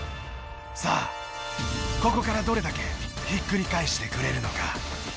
さあここからどれだけひっくり返してくれるのか？